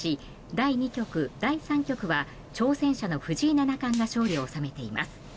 第２局、第３局は挑戦者の藤井七冠が勝利を収めています。